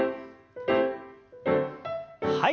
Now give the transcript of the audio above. はい。